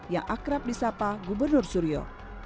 yang akrab di sapa gubernur suryo